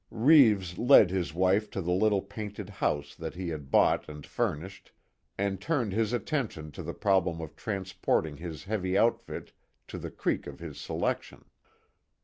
Reeves led his wife to the little painted house that he had bought and furnished, and turned his attention to the problem of transporting his heavy outfit to the creek of his selection.